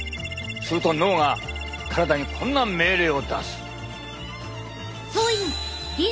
すると脳が体にこんな命令を出す。